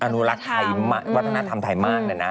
อนุรักษ์วัฒนธรรมไทยมากนะนะ